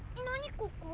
ここ。